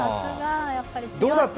どうだった？